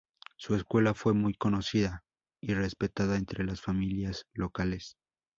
Su escuela fue muy conocida y respetada entre las familias locales.